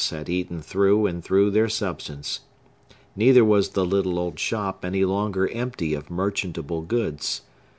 had eaten through and through their substance. Neither was the little old shop any longer empty of merchantable goods.